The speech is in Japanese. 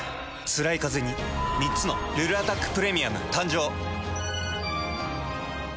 つらいカゼに３つの「ルルアタックプレミアム」誕生。